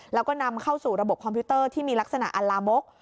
แล้วก็นำเข้าสู่ระบบคอมพิวเตอร์ที่มีลักษณะอัลลามก